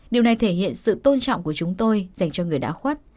điều này thể hiện sự tôn trọng của chúng tôi dành cho người đã khuất